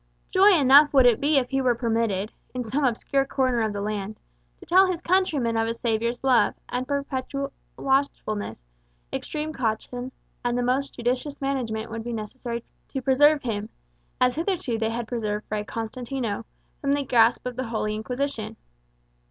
Joy enough would it be if he were permitted, in some obscure corner of the land, to tell his countrymen of a Saviour's love; and perpetual watchfulness, extreme caution, and the most judicious management would be necessary to preserve him as hitherto they had preserved Fray Constantino from the grasp of the Holy Inquisition.